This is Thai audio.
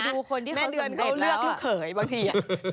ไปดูคนที่เขาสำเร็จแล้วอ่ะแม่เดือนเขาเลือกลูกเผยบางที